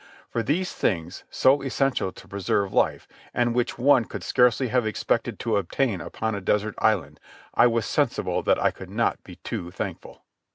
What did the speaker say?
For these things, so essential to preserve life, and which one could scarcely have expected to obtain upon a desert island, I was sensible that I could not be too thankful.